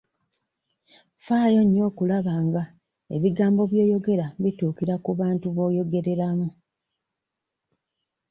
Faayo nnyo okulaba nga ebigambo by'oyogera bituukira ku bantu b'oyogerera mu.